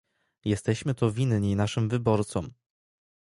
Jesteśmy to winni naszym wyborcom